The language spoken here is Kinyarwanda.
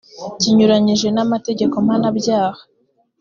kinyuranyije n amategeko mpanabyaha